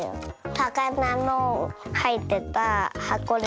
さかなのはいってたはこで。